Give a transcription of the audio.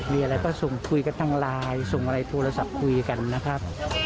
มีอะไรก็ส่งคุยกันทางไลน์ส่งอะไรโทรศัพท์คุยกันนะครับ